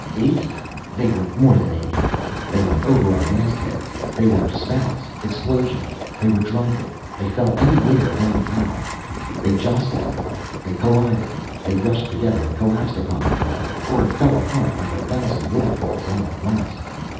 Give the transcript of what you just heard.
Eighty! They were more than eighty. They went over our mastheads. They were spouts, explosions. They were drunken. They fell anywhere, anyhow. They jostled one another; they collided. They rushed together and collapsed upon one another, or fell apart like a thousand waterfalls all at once.